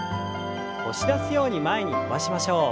押し出すように前に伸ばしましょう。